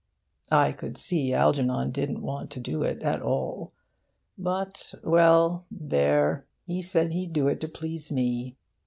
I could see Algernon didn't want to do it at all. But well, there, he said he'd do it to please me.